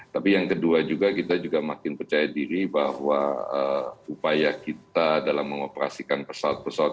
tapi yang kedua juga kita juga makin percaya diri bahwa upaya kita dalam mengoperasikan pesawat pesawat